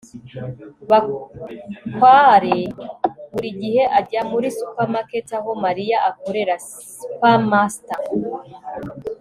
bakware buri gihe ajya muri supermarket aho mariya akorera. (spamster